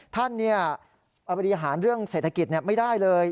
ท่านบริหารเรื่องเศรษฐกิจไม่ได้เลย